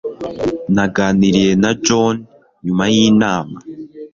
Naganiriye na John nyuma yinama.